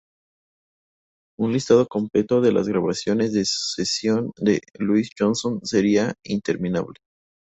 Un listado completo de las grabaciones de sesión de Louis Johnson sería interminable.